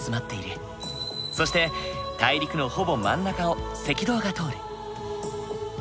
そして大陸のほぼ真ん中を赤道が通る。